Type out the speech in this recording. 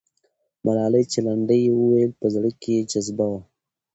ملالۍ چې لنډۍ یې وویلې، په زړه کې یې جذبه وه.